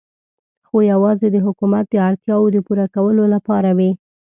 خو یوازې د حکومت د اړتیاوو د پوره کولو لپاره وې.